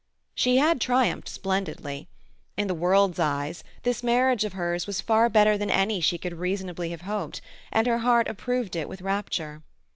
She had triumphed splendidly. In the world's eye this marriage of hers was far better than any she could reasonably have hoped, and her heart approved it with rapture.